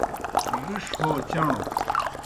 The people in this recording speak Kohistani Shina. بِݜ ہو چݨوْ